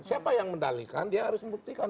siapa yang mendalikan dia harus membuktikan